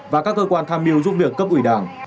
và các cơ quan tham mưu giúp việc cấp ủy đảng